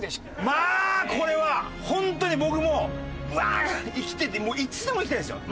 まあこれはホントに僕もうわ行きたいっていつでも行きたいんですよ。